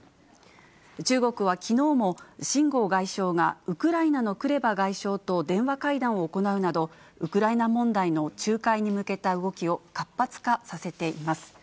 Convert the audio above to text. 中国はきのうも、秦剛外相がウクライナのクレバ外相と電話会談を行うなど、ウクライナ問題の仲介に向けた動きを活発化させています。